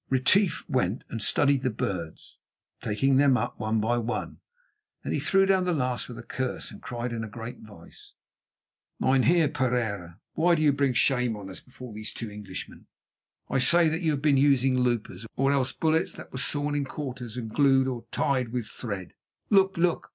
Retief went and studied all the birds, taking them up one by one. Then he threw down the last with a curse and cried in a great voice: "Mynheer Pereira, why do you bring shame on us before these two Englishmen? I say that you have been using loopers, or else bullets that were sawn in quarters and glued or tied with thread. Look, look!"